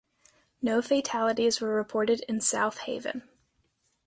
No fatalities were reported in Southaven.